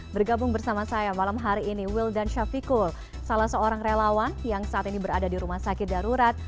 bergabung bersama saya malam hari ini wildan syafikul salah seorang relawan yang saat ini berada di rumah sakit darurat